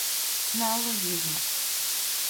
Неологізми